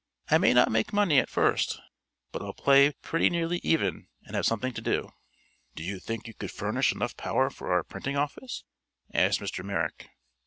I may not make money, at first, but I'll play pretty nearly even and have something to do." "Do you think you could furnish enough power for our printing office?" asked Mr. Merrick.